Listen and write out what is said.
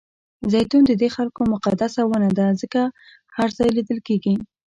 زیتون ددې خلکو مقدسه ونه ده ځکه هر ځای لیدل کېږي.